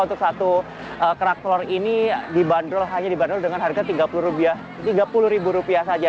untuk satu kerak telur ini dibanderol hanya dibanderol dengan harga rp tiga puluh saja